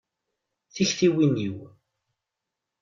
Tiktiwin-iw.